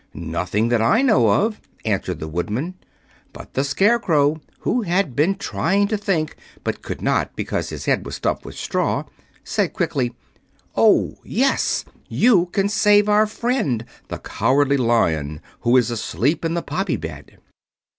"Nothing that I know of," answered the Woodman; but the Scarecrow, who had been trying to think, but could not because his head was stuffed with straw, said, quickly, "Oh, yes; you can save our friend, the Cowardly Lion, who is asleep in the poppy bed."